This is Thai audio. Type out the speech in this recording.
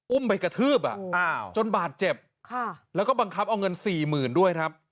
อุ้มไปกระทืบจนบาดเจ็บแล้วก็บังคับเอาเงิน๔๐๐๐๐ด้วยครับ